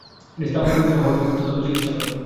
তিনি স্থাপন করেছিলেন হরদুর্গা দাতব্য চিকিৎসালয়।